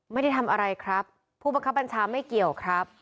ไม่ได้ทำอะไรครับผู้บังคับบัญชาไม่เกี่ยวครับ